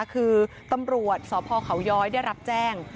คือตำรวจสพเขาย้อยได้รับแจ้ง